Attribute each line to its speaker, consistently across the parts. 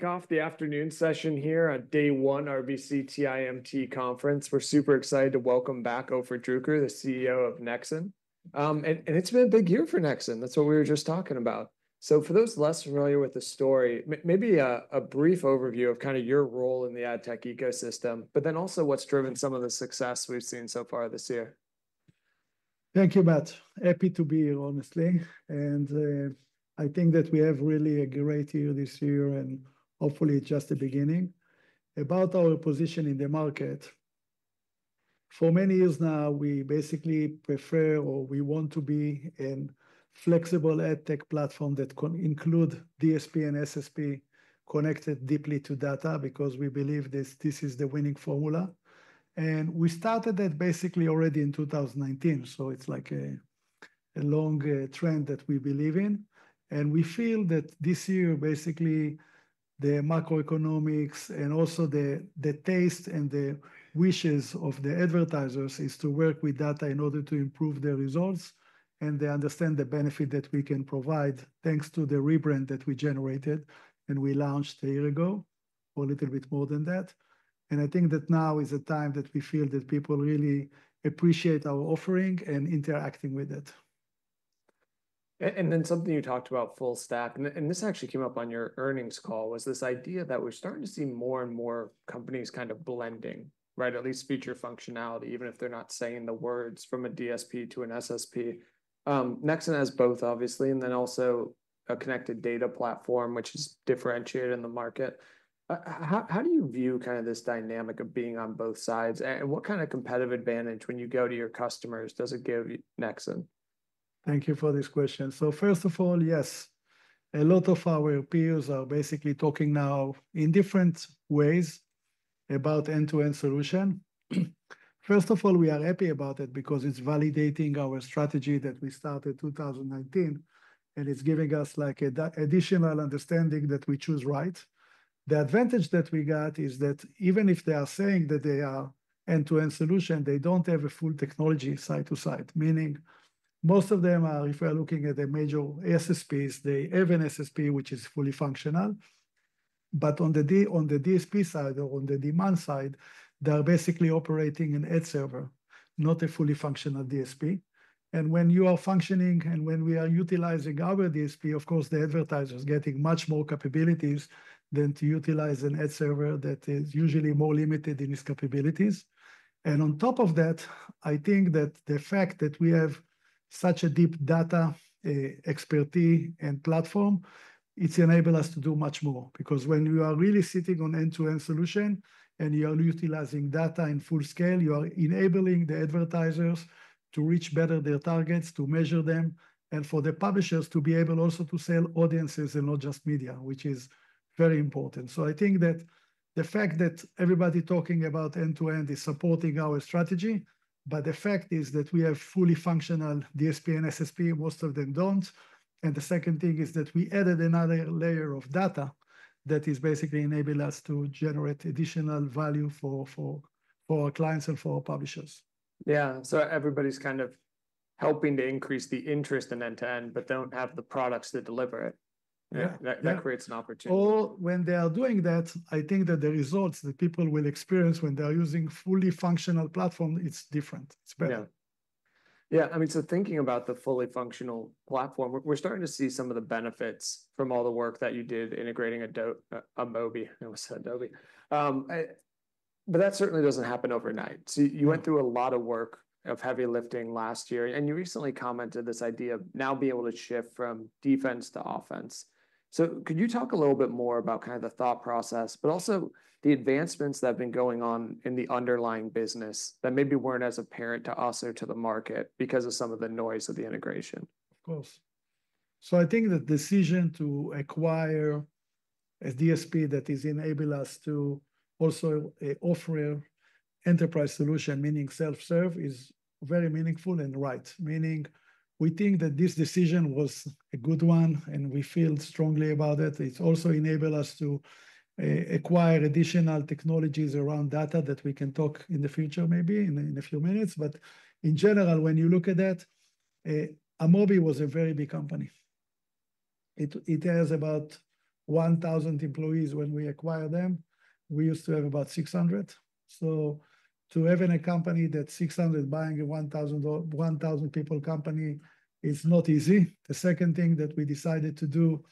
Speaker 1: Kick off the afternoon session here at Day One RBC TIMT Conference. We're super excited to welcome back Ofer Druker, the CEO of Nexxen. And it's been a big year for Nexxen. That's what we were just talking about. So for those less familiar with the story, maybe a brief overview of kind of your role in the ad tech ecosystem, but then also what's driven some of the success we've seen so far this year.
Speaker 2: Thank you, Matt. Happy to be here, honestly, and I think that we have really a great year this year, and hopefully just the beginning. About our position in the market, for many years now, we basically prefer, or we want to be a flexible ad tech platform that can include DSP and SSP connected deeply to data because we believe this is the winning formula, and we started that basically already in 2019, so it's like a long trend that we believe in, and we feel that this year, basically the macroeconomics and also the taste and the wishes of the advertisers is to work with data in order to improve the results and they understand the benefit that we can provide thanks to the rebrand that we generated and we launched a year ago, or a little bit more than that. I think that now is a time that we feel that people really appreciate our offering and interacting with it. And then something you talked about full stack, and this actually came up on your earnings call, was this idea that we're starting to see more and more companies kind of blending, right? At least feature functionality, even if they're not saying the words from a DSP to an SSP. Nexxen has both, obviously, and then also a connected data platform, which is differentiated in the market. How do you view kind of this dynamic of being on both sides? And what kind of competitive advantage when you go to your customers, does it give Nexxen? Thank you for this question, so first of all, yes, a lot of our peers are basically talking now in different ways about end-to-end solution. First of all, we are happy about it because it's validating our strategy that we started 2019, and it's giving us like an additional understanding that we choose right. The advantage that we got is that even if they are saying that they are end-to-end solution, they don't have a full technology side to side, meaning most of them are, if we are looking at the major SSPs, they have an SSP, which is fully functional, but on the DSP side or on the demand side, they're basically operating an Ad Server, not a fully functional DSP. And when you are functioning and when we are utilizing our DSP, of course, the advertisers are getting much more capabilities than to utilize an ad server that is usually more limited in its capabilities. And on top of that, I think that the fact that we have such a deep data expertise and platform, it's enabled us to do much more because when you are really sitting on end-to-end solution and you are utilizing data in full scale, you are enabling the advertisers to reach better their targets, to measure them, and for the publishers to be able also to sell audiences and not just media, which is very important. So I think that the fact that everybody talking about end-to-end is supporting our strategy, but the fact is that we have fully functional DSP and SSP, most of them don't. The second thing is that we added another layer of data that is basically enabled us to generate additional value for our clients and for our publishers. Yeah. So everybody's kind of helping to increase the interest in end-to-end, but don't have the products that deliver it. Yeah, that creates an opportunity. Or when they are doing that, I think that the results that people will experience when they're using fully functional platform, it's different. It's better. Yeah. Yeah. I mean, so thinking about the fully functional platform, we're starting to see some of the benefits from all the work that you did integrating Amobee. It was Amobee. But that certainly doesn't happen overnight. So you went through a lot of work of heavy lifting last year, and you recently commented this idea of now being able to shift from defense to offense. So could you talk a little bit more about kind of the thought process, but also the advancements that have been going on in the underlying business that maybe weren't as apparent to us or to the market because of some of the noise of the integration? Of course. So I think the decision to acquire a DSP that is enabling us to also offer enterprise solution, meaning self-serve, is very meaningful and right. Meaning we think that this decision was a good one and we feel strongly about it. It's also enabled us to acquire additional technologies around data that we can talk in the future, maybe in a few minutes. But in general, when you look at that, Amobee was a very big company. It has about 1,000 employees when we acquired them. We used to have about 600. So to have a company that's 600 buying a 1,000 people company, it's not easy. The second thing that we decided to do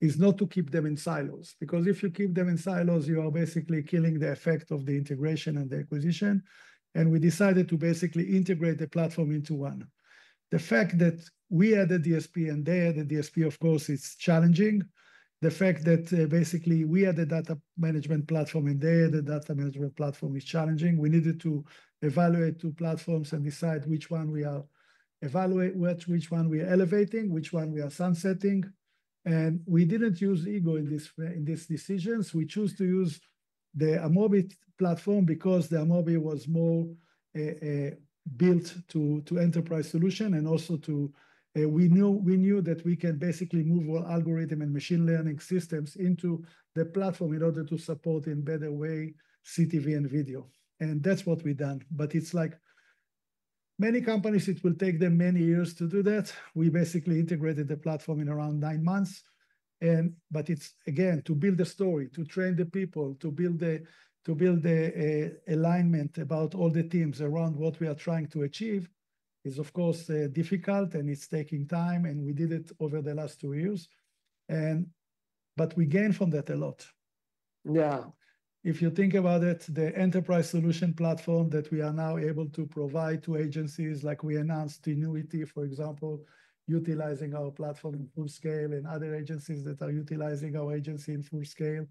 Speaker 2: is not to keep them in silos, because if you keep them in silos, you are basically killing the effect of the integration and the acquisition. And we decided to basically integrate the platform into one. The fact that we added DSP and they added DSP, of course, it's challenging. The fact that basically we added data management platform and they added data management platform is challenging. We needed to evaluate two platforms and decide which one we are evaluating, which one we are elevating, which one we are sunsetting. And we didn't use ego in this decision. We chose to use the Amobee platform because the Amobee was more built to enterprise solution and also to we knew that we can basically move all algorithm and machine learning systems into the platform in order to support in a better way CTV and video. And that's what we've done. But it's like many companies, it will take them many years to do that. We basically integrated the platform in around nine months. But it's, again, to build a story, to train the people, to build the alignment about all the teams around what we are trying to achieve is, of course, difficult and it's taking time, and we did it over the last two years, but we gained from that a lot. Yeah. If you think about it, the enterprise solution platform that we are now able to provide to agencies, like we announced Tinuiti, for example, utilizing our platform in full scale and other agencies that are utilizing our agency in full scale.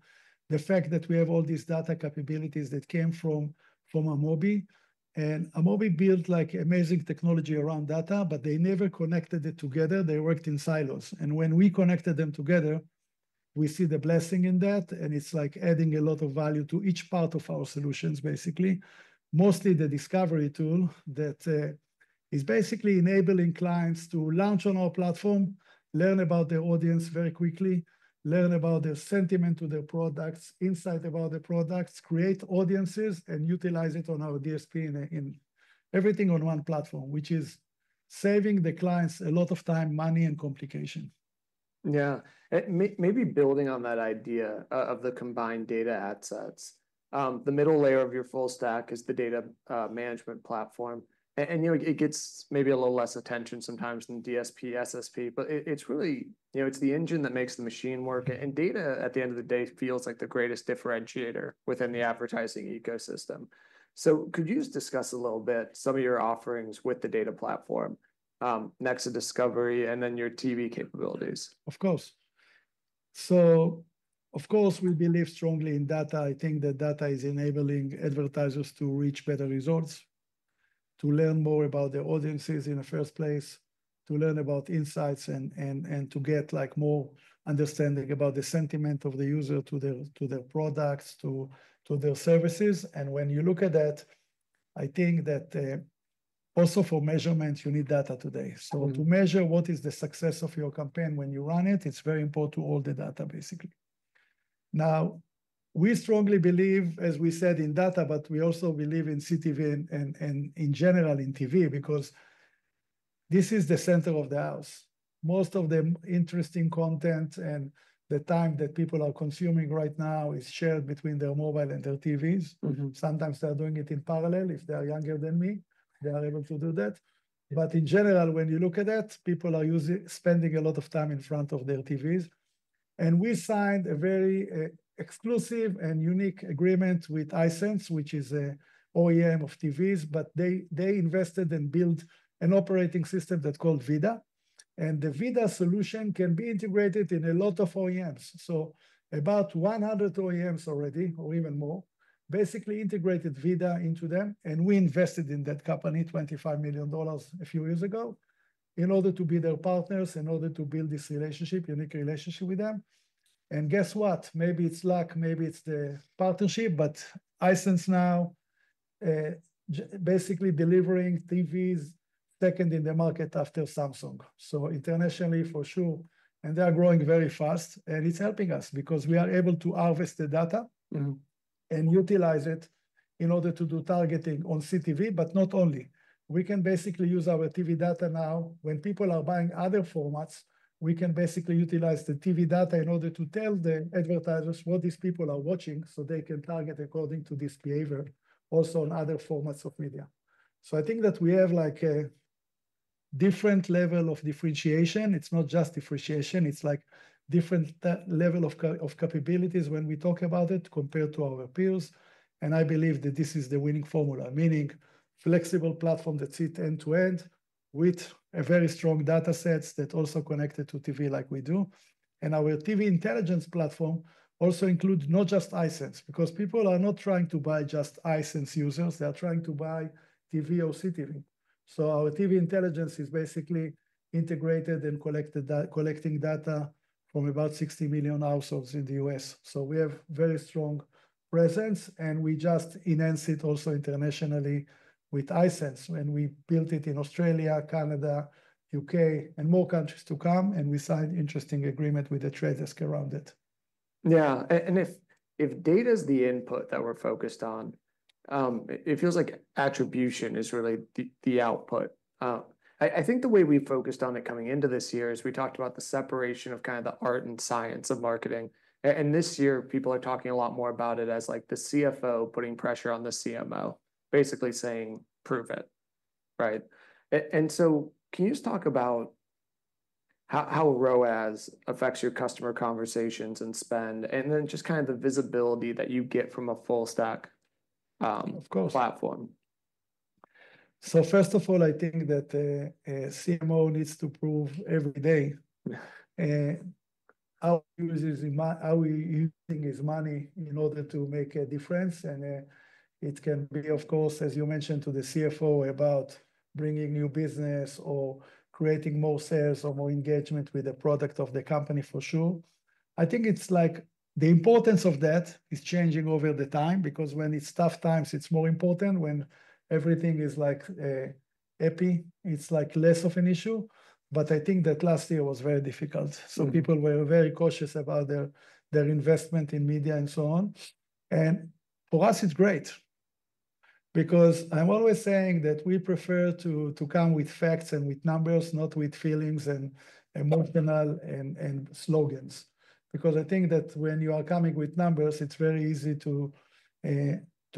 Speaker 2: The fact that we have all these data capabilities that came from Amobee, and Amobee built like amazing technology around data, but they never connected it together. They worked in silos, and when we connected them together, we see the blessing in that, and it's like adding a lot of value to each part of our solutions, basically. Mostly the Discovery tool that is basically enabling clients to launch on our platform, learn about their audience very quickly, learn about their sentiment to their products, insight about their products, create audiences, and utilize it on our DSP in everything on one platform, which is saving the clients a lot of time, money, and complication. Yeah. Maybe building on that idea of the combined data assets, the middle layer of your full stack is the data management platform. And it gets maybe a little less attention sometimes than DSP, SSP, but it's really, it's the engine that makes the machine work. And data at the end of the day feels like the greatest differentiator within the advertising ecosystem. So could you just discuss a little bit some of your offerings with the data platform, Nexxen Discovery, and then your TV capabilities? Of course. So of course, we believe strongly in data. I think that data is enabling advertisers to reach better results, to learn more about the audiences in the first place, to learn about insights, and to get like more understanding about the sentiment of the user to their products, to their services. And when you look at that, I think that also for measurement, you need data today. So to measure what is the success of your campaign when you run it, it's very important to all the data, basically. Now, we strongly believe, as we said, in data, but we also believe in CTV and in general in TV because this is the center of the house. Most of the interesting content and the time that people are consuming right now is shared between their mobile and their TVs. Sometimes they're doing it in parallel. If they're younger than me, they are able to do that. But in general, when you look at that, people are spending a lot of time in front of their TVs. We signed a very exclusive and unique agreement with Hisense, which is an OEM of TVs, but they invested and built an operating system that's called VIDAA. The VIDAA solution can be integrated in a lot of OEMs. About 100 OEMs already, or even more, basically integrated VIDAA into them. We invested in that company $25 million a few years ago in order to be their partners, in order to build this relationship, unique relationship with them. Guess what? Maybe it's luck, maybe it's the partnership, but Hisense now basically delivering TVs second in the market after Samsung. Internationally, for sure. They are growing very fast. It's helping us because we are able to harvest the data and utilize it in order to do targeting on CTV, but not only. We can basically use our TV data now. When people are buying other formats, we can basically utilize the TV data in order to tell the advertisers what these people are watching so they can target according to this behavior also on other formats of media. I think that we have like a different level of differentiation. It's not just differentiation. It's like different level of capabilities when we talk about it compared to our peers. I believe that this is the winning formula, meaning flexible platform that's end to end with a very strong data sets that also connected to TV like we do. Our TV Intelligence platform also includes not just Hisense because people are not trying to buy just Hisense users. They are trying to buy TV or CTV. Our TV Intelligence is basically integrated and collecting data from about 60 million households in the U.S. We have very strong presence and we just enhance it also internationally with Hisense when we built it in Australia, Canada, U.K., and more countries to come. We signed an interesting agreement with The Trade Desk around it. Yeah. And if data is the input that we're focused on, it feels like attribution is really the output. I think the way we focused on it coming into this year is we talked about the separation of kind of the art and science of marketing. And this year, people are talking a lot more about it as like the CFO putting pressure on the CMO, basically saying, "Prove it." Right? And so can you just talk about how ROAS affects your customer conversations and spend and then just kind of the visibility that you get from a full stack platform? Of course. So first of all, I think that CMO needs to prove every day how he is using his money in order to make a difference. And it can be, of course, as you mentioned to the CFO about bringing new business or creating more sales or more engagement with the product of the company, for sure. I think it's like the importance of that is changing over the time because when it's tough times, it's more important. When everything is like happy, it's like less of an issue. But I think that last year was very difficult. So people were very cautious about their investment in media and so on. And for us, it's great because I'm always saying that we prefer to come with facts and with numbers, not with feelings and emotions and slogans. Because I think that when you are coming with numbers, it's very easy to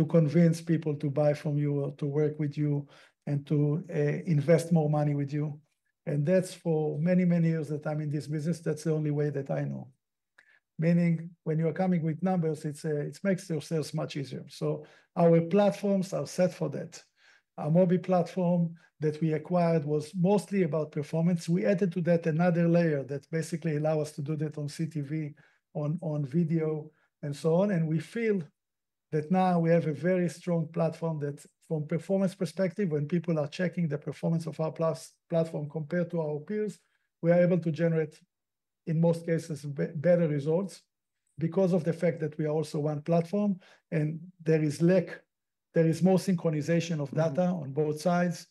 Speaker 2: convince people to buy from you or to work with you and to invest more money with you, and that's for many, many years that I'm in this business. That's the only way that I know. Meaning when you are coming with numbers, it makes your sales much easier, so our platforms are set for that. Our Amobee platform that we acquired was mostly about performance. We added to that another layer that basically allows us to do that on CTV, on video, and so on. We feel that now we have a very strong platform that from a performance perspective, when people are checking the performance of our platform compared to our peers, we are able to generate in most cases better results because of the fact that we are also one platform and there is less, there is more synchronization of data on both sides.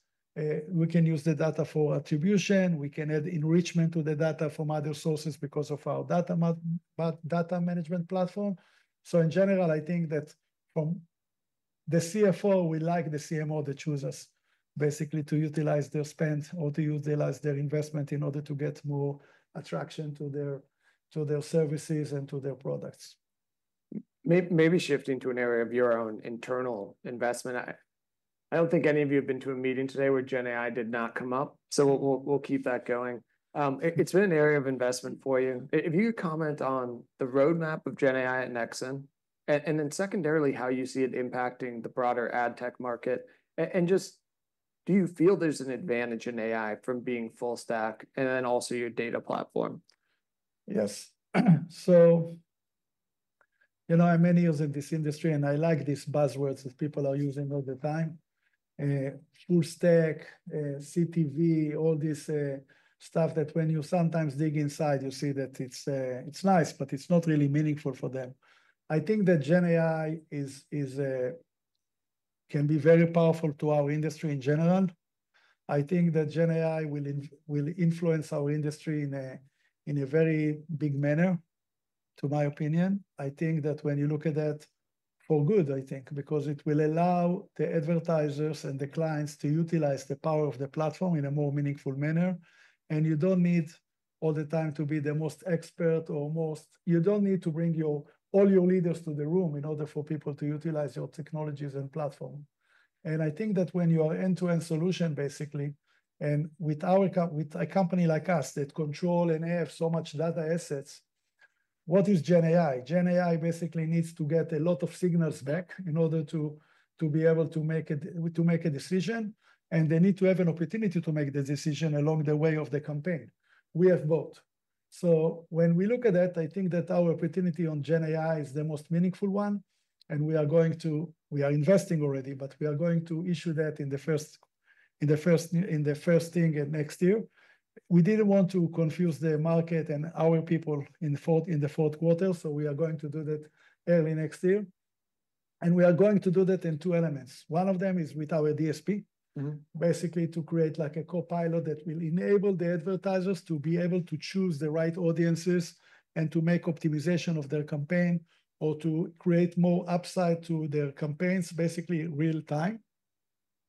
Speaker 2: We can use the data for attribution. We can add enrichment to the data from other sources because of our data management platform. So in general, I think that from the CFO, we like the CMO that chooses us basically to utilize their spend or to utilize their investment in order to get more traction to their services and to their products. Maybe shifting to an area of your own internal investment. I don't think any of you have been to a meeting today where Gen AI did not come up. So we'll keep that going. It's been an area of investment for you. If you could comment on the roadmap of Gen AI at Nexxen and then secondarily how you see it impacting the broader ad tech market and just do you feel there's an advantage in AI from being full stack and then also your data platform? Yes, so you know I'm many years in this industry and I like these buzzwords that people are using all the time. Full stack, CTV, all this stuff that when you sometimes dig inside, you see that it's nice, but it's not really meaningful for them. I think that Gen AI can be very powerful to our industry in general. I think that Gen AI will influence our industry in a very big manner, to my opinion. I think that when you look at that for good, I think, because it will allow the advertisers and the clients to utilize the power of the platform in a more meaningful manner, and you don't need all the time to be the most expert or most, you don't need to bring all your leaders to the room in order for people to utilize your technologies and platform. I think that when you are end-to-end solution, basically, and with a company like us that control and have so much data assets, what is Gen AI? Gen AI basically needs to get a lot of signals back in order to be able to make a decision. They need to have an opportunity to make the decision along the way of the campaign. We have both. When we look at that, I think that our opportunity on Gen AI is the most meaningful one. We are going to, we are investing already, but we are going to issue that in the first quarter next year. We didn't want to confuse the market and our people in the fourth quarter. We are going to do that early next year. We are going to do that in two elements. One of them is with our DSP, basically to create like a copilot that will enable the advertisers to be able to choose the right audiences and to make optimization of their campaign or to create more upside to their campaigns, basically real time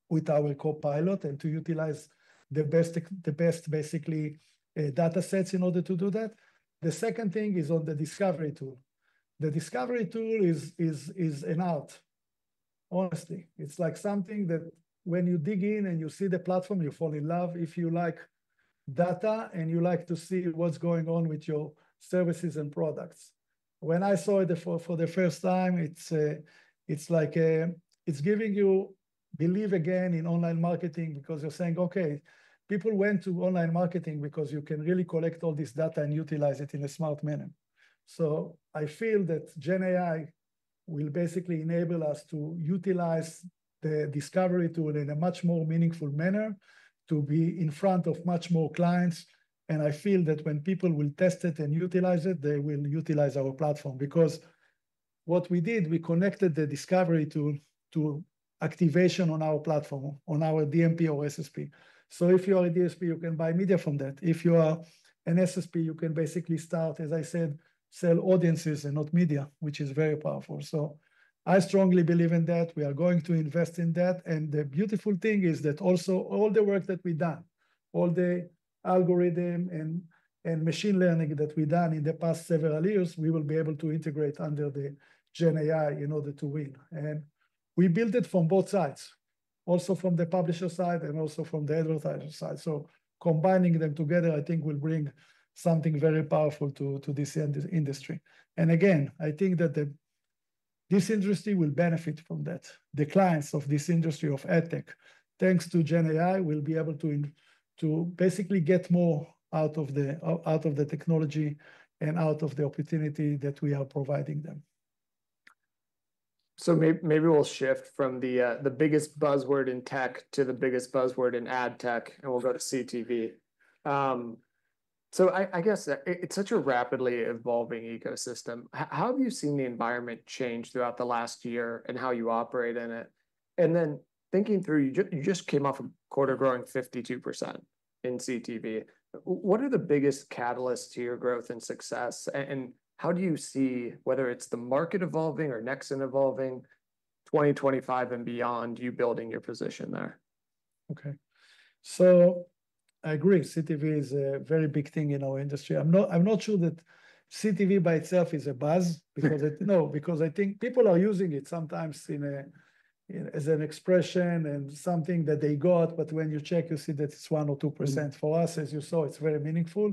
Speaker 2: with our copilot and to utilize the best, basically data sets in order to do that. The second thing is on the Discovery tool. The Discovery tool is an art, honestly. It's like something that when you dig in and you see the platform, you fall in love if you like data and you like to see what's going on with your services and products. When I saw it for the first time, it's like it's giving you belief again in online marketing because you're saying, "Okay, people went to online marketing because you can really collect all this data and utilize it in a smart manner." So I feel that Gen AI will basically enable us to utilize the Discovery tool in a much more meaningful manner to be in front of much more clients. And I feel that when people will test it and utilize it, they will utilize our platform because what we did, we connected the Discovery tool to activation on our platform, on our DMP or SSP. So if you are a DSP, you can buy media from that. If you are an SSP, you can basically start, as I said, sell audiences and not media, which is very powerful. So I strongly believe in that. We are going to invest in that. And the beautiful thing is that also all the work that we've done, all the algorithm and machine learning that we've done in the past several years, we will be able to integrate under the Gen AI in order to win. And we built it from both sides, also from the publisher side and also from the advertiser side. So combining them together, I think will bring something very powerful to this industry. And again, I think that this industry will benefit from that. The clients of this industry of edtech, thanks to Gen AI, will be able to basically get more out of the technology and out of the opportunity that we are providing them. So maybe we'll shift from the biggest buzzword in tech to the biggest buzzword in ad tech, and we'll go to CTV. So I guess it's such a rapidly evolving ecosystem. How have you seen the environment change throughout the last year and how you operate in it? And then thinking through, you just came off a quarter growing 52% in CTV. What are the biggest catalysts to your growth and success? And how do you see whether it's the market evolving or Nexxen evolving 2025 and beyond, you building your position there? Okay. So I agree. CTV is a very big thing in our industry. I'm not sure that CTV by itself is a buzz because I think people are using it sometimes as an expression and something that they got. But when you check, you see that it's 1% or 2%. For us, as you saw, it's very meaningful.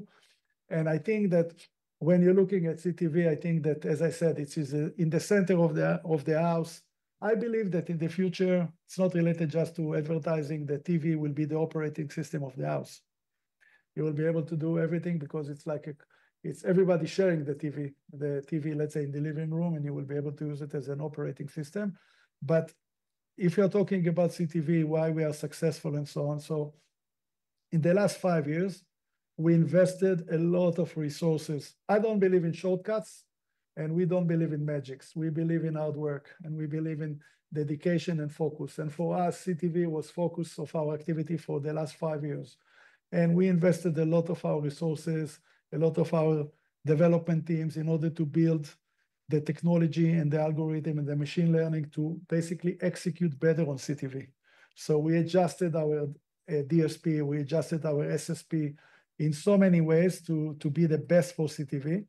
Speaker 2: And I think that when you're looking at CTV, I think that, as I said, it's in the center of the house. I believe that in the future, it's not related just to advertising. The TV will be the operating system of the house. You will be able to do everything because it's like everybody sharing the TV, the TV, let's say, in the living room, and you will be able to use it as an operating system. But if you're talking about CTV, why we are successful and so on. So in the last five years, we invested a lot of resources. I don't believe in shortcuts, and we don't believe in magic. We believe in hard work, and we believe in dedication and focus. And for us, CTV was focus of our activity for the last five years. And we invested a lot of our resources, a lot of our development teams in order to build the technology and the algorithm and the machine learning to basically execute better on CTV. So we adjusted our DSP. We adjusted our SSP in so many ways to be the best for CTV.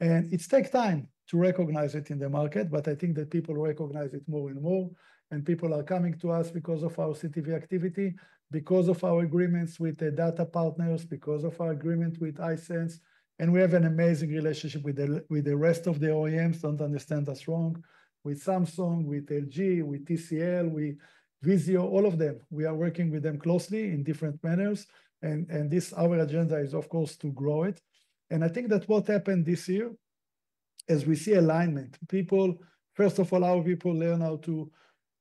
Speaker 2: And it takes time to recognize it in the market, but I think that people recognize it more and more. And people are coming to us because of our CTV activity, because of our agreements with the data partners, because of our agreement with Hisense. We have an amazing relationship with the rest of the OEMs. Don't understand us wrong. With Samsung, with LG, with TCL, with VIZIO, all of them. We are working with them closely in different manners. Our agenda is, of course, to grow it. I think that what happened this year, as we see alignment, people, first of all, our people learn how to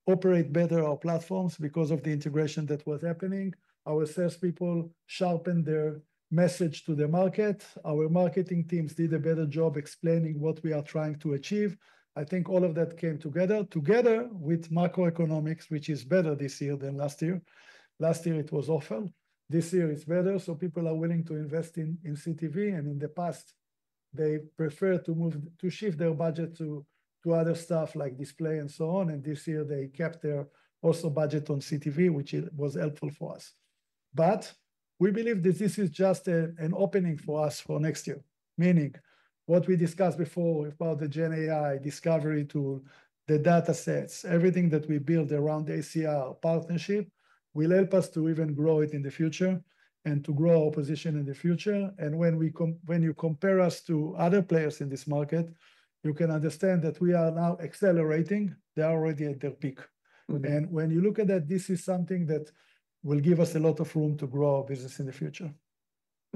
Speaker 2: operate better our platforms because of the integration that was happening. Our salespeople sharpened their message to the market. Our marketing teams did a better job explaining what we are trying to achieve. I think all of that came together with macroeconomics, which is better this year than last year. Last year, it was awful. This year is better. People are willing to invest in CTV. And in the past, they prefer to shift their budget to other stuff like display and so on. And this year, they kept their also budget on CTV, which was helpful for us. But we believe that this is just an opening for us for next year. Meaning what we discussed before about the Gen AI Discovery tool, the data sets, everything that we build around ACR partnership will help us to even grow it in the future and to grow our position in the future. And when you compare us to other players in this market, you can understand that we are now accelerating. They are already at their peak. And when you look at that, this is something that will give us a lot of room to grow our business in the future.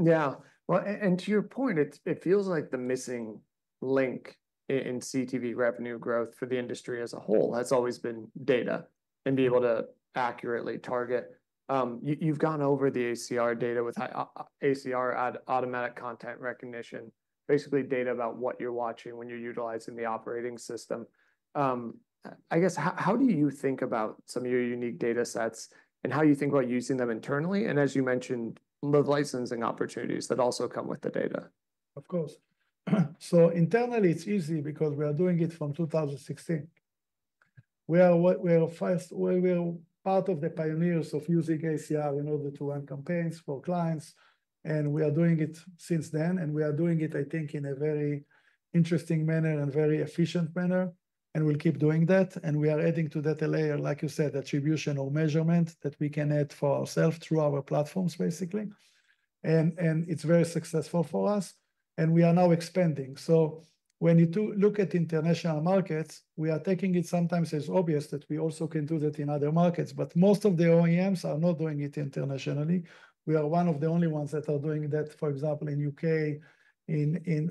Speaker 2: Yeah. Well, and to your point, it feels like the missing link in CTV revenue growth for the industry as a whole, that's always been data and be able to accurately target. You've gone over the ACR data with ACR automatic content recognition, basically data about what you're watching when you're utilizing the operating system. I guess, how do you think about some of your unique data sets and how you think about using them internally? And as you mentioned, the licensing opportunities that also come with the data. Of course. So internally, it's easy because we are doing it from 2016. We are part of the pioneers of using ACR in order to run campaigns for clients. And we are doing it since then. And we are doing it, I think, in a very interesting manner and very efficient manner. And we'll keep doing that. And we are adding to that a layer, like you said, attribution or measurement that we can add for ourselves through our platforms, basically. And it's very successful for us. And we are now expanding. So when you look at international markets, we are taking it sometimes as obvious that we also can do that in other markets. But most of the OEMs are not doing it internationally. We are one of the only ones that are doing that, for example, in the U.K.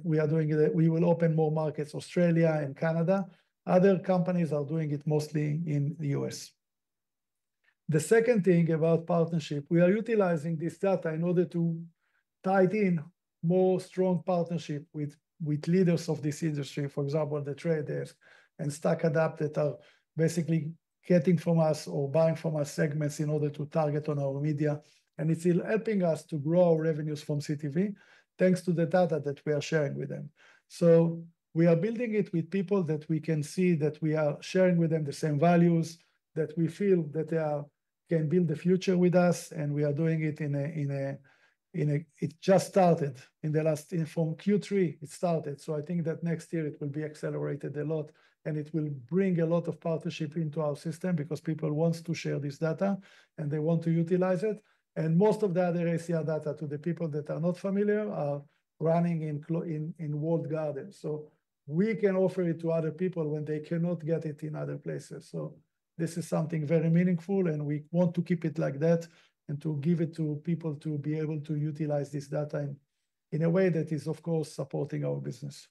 Speaker 2: We are doing it. We will open more markets, Australia and Canada. Other companies are doing it mostly in the U.S. The second thing about partnership, we are utilizing this data in order to tighten more strong partnership with leaders of this industry, for example, The Trade Desk and StackAdapt that are basically getting from us or buying from us segments in order to target on our media, and it's helping us to grow our revenues from CTV thanks to the data that we are sharing with them, so we are building it with people that we can see that we are sharing with them the same values that we feel that they can build the future with us, and we are doing it in a, it just started in the last, from Q3, it started, so I think that next year it will be accelerated a lot. And it will bring a lot of partnership into our system because people want to share this data and they want to utilize it. And most of the other ACR data, to the people that are not familiar, are running in walled garden. So we can offer it to other people when they cannot get it in other places. So this is something very meaningful. And we want to keep it like that and to give it to people to be able to utilize this data in a way that is, of course, supporting our business.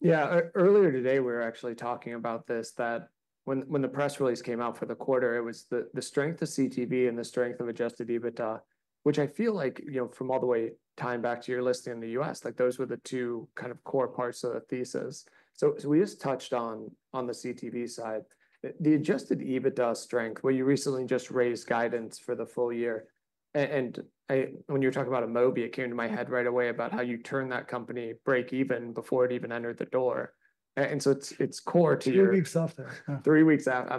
Speaker 2: Yeah. Earlier today, we were actually talking about this, that when the press release came out for the quarter, it was the strength of CTV and the strength of Adjusted EBITDA, which I feel like, you know, from all the way time back to your listing in the U.S., like those were the two kind of core parts of the thesis. So we just touched on the CTV side, the Adjusted EBITDA strength, where you recently just raised guidance for the full year. And when you were talking about Amobee, it came to my head right away about how you turn that company break even before it even entered the door. And so it's core to your. Three weeks after. Three weeks after.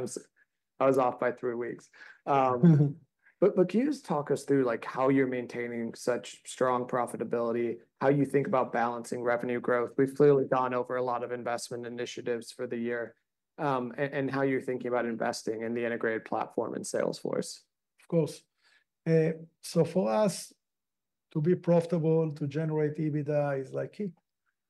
Speaker 2: I was off by three weeks. But can you just talk us through like how you're maintaining such strong profitability, how you think about balancing revenue growth? We've clearly gone over a lot of investment initiatives for the year and how you're thinking about investing in the integrated platform and Salesforce. Of course. So for us, to be profitable, to generate EBITDA is like key.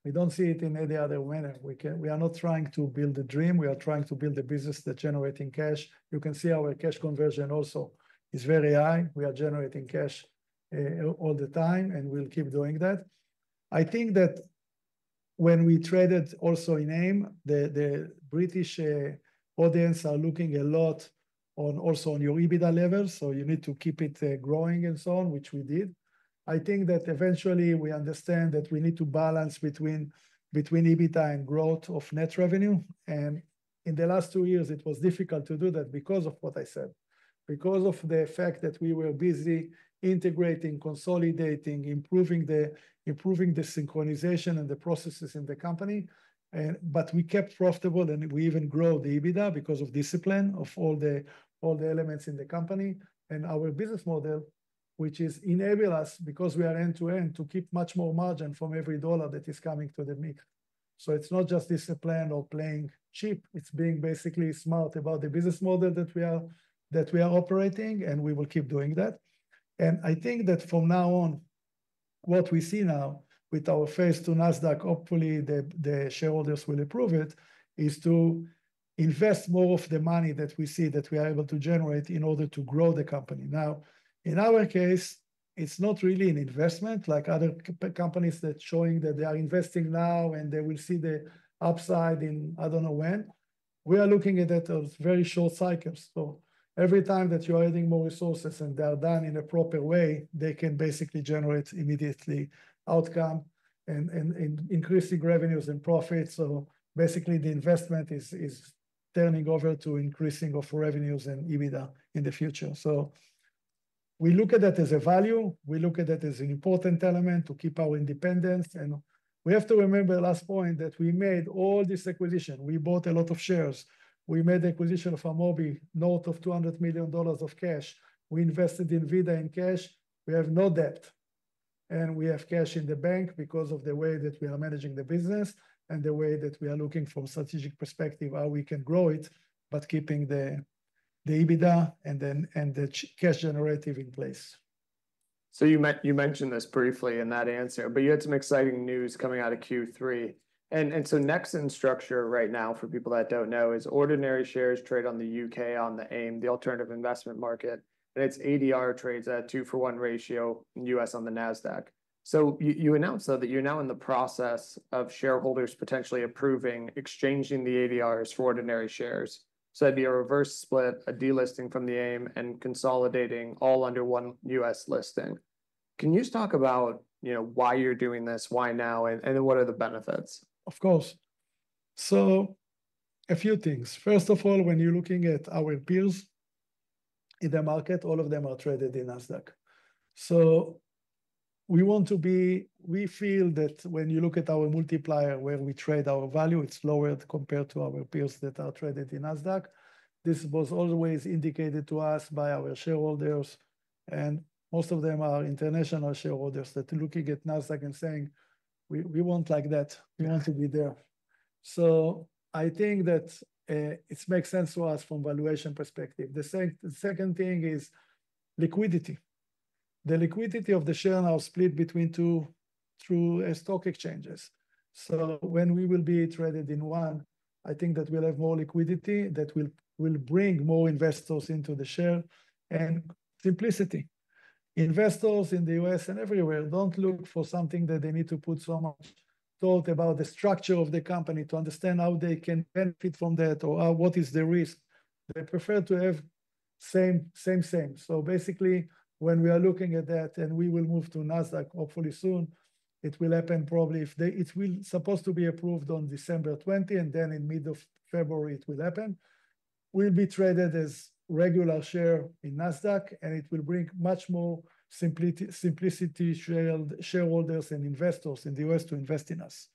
Speaker 2: We don't see it in any other manner. We are not trying to build a dream. We are trying to build a business that's generating cash. You can see our cash conversion also is very high. We are generating cash all the time and we'll keep doing that. I think that when we traded also in AIM, the British audience are looking a lot also on your EBITDA levels. So you need to keep it growing and so on, which we did. I think that eventually we understand that we need to balance between EBITDA and growth of net revenue. And in the last two years, it was difficult to do that because of what I said, because of the fact that we were busy integrating, consolidating, improving the synchronization and the processes in the company. But we kept profitable and we even grow the EBITDA because of discipline of all the elements in the company and our business model, which enables us because we are end-to-end to keep much more margin from every dollar that is coming to the mix. So it's not just discipline or playing cheap. It's being basically smart about the business model that we are operating, and we will keep doing that. And I think that from now on, what we see now with our Phase 2 Nasdaq, hopefully the shareholders will approve it, is to invest more of the money that we see that we are able to generate in order to grow the company. Now, in our case, it's not really an investment like other companies that are showing that they are investing now and they will see the upside in I don't know when. We are looking at that as very short cycles. So every time that you are adding more resources and they are done in a proper way, they can basically generate immediately outcome and increasing revenues and profits. So basically the investment is turning over to increasing of revenues and EBITDA in the future. So we look at that as a value. We look at that as an important element to keep our independence. And we have to remember the last point that we made all this acquisition. We bought a lot of shares. We made the acquisition of Amobee, north of $200 million of cash. We invested in VIDAA in cash. We have no debt. We have cash in the bank because of the way that we are managing the business and the way that we are looking from a strategic perspective how we can grow it, but keeping the EBITDA and the cash generative in place. So you mentioned this briefly in that answer, but you had some exciting news coming out of Q3. And so Nexxen structure right now, for people that don't know, is ordinary shares trade on the U.K. on the AIM, the alternative investment market, and it's ADR trades at a two for one ratio in the U.S. on the Nasdaq. So you announced that you're now in the process of shareholders potentially approving, exchanging the ADRs for ordinary shares. So it'd be a reverse split, a delisting from the AIM and consolidating all under one U.S. listing. Can you just talk about why you're doing this, why now, and what are the benefits? Of course. So a few things. First of all, when you're looking at our peers in the market, all of them are traded in Nasdaq. So we want to be, we feel that when you look at our multiple where we trade our value, it's lowered compared to our peers that are traded in Nasdaq. This was always indicated to us by our shareholders. And most of them are international shareholders that are looking at Nasdaq and saying, we want like that. We want to be there. So I think that it makes sense to us from a valuation perspective. The second thing is liquidity. The liquidity of the share now split between two stock exchanges. So when we will be traded in one, I think that we'll have more liquidity that will bring more investors into the share. And simplicity. Investors in the U.S. and everywhere don't look for something that they need to put so much thought about the structure of the company to understand how they can benefit from that or what is the risk. They prefer to have same, same, same. So basically, when we are looking at that and we will move to Nasdaq, hopefully soon, it will happen probably if it's supposed to be approved on December 20, and then in mid of February, it will happen. We'll be traded as regular share in Nasdaq, and it will bring much more simplicity to shareholders and investors in the U.S. to invest in us.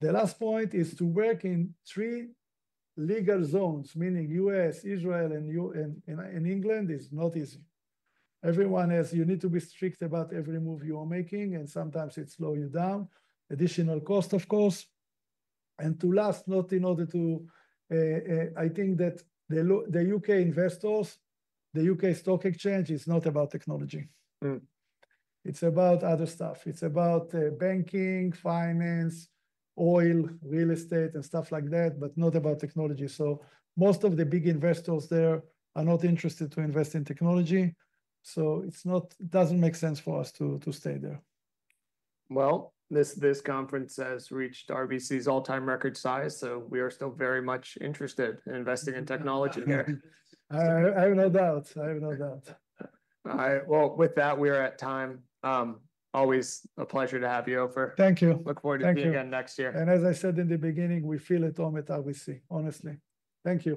Speaker 2: The last point is to work in three legal zones, meaning U.S., Israel, and England. It's not easy. Everyone has you have to be strict about every move you are making, and sometimes it slows you down. Additional cost, of course. Lastly, not in order to, I think that the U.K. investors, the U.K. stock exchange is not about technology. It's about other stuff. It's about banking, finance, oil, real estate, and stuff like that, but not about technology. So most of the big investors there are not interested to invest in technology. So it doesn't make sense for us to stay there. This conference has reached RBC's all-time record size, so we are still very much interested in investing in technology here. I have no doubts. All right. Well, with that, we are at time. Always a pleasure to have you, Ofer. Thank you. Look forward to seeing you again next year. And as I said in the beginning, we feel it all at RBC, honestly. Thank you.